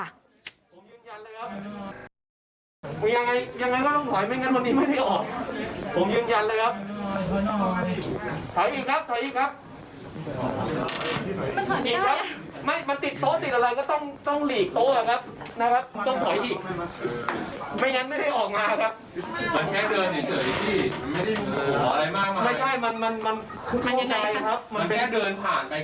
อ้าวก็แค่เดินขึ้นมาค่ะพี่